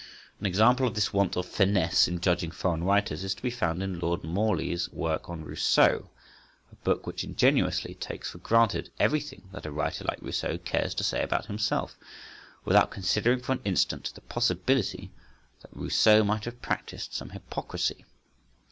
An example of this want of finesse in judging foreign writers is to be found in Lord Morley's work on Rousseau,—a book which ingenuously takes for granted everything that a writer like Rousseau cares to say about himself, without considering for an instant the possibility that Rousseau might have practised some hypocrisy.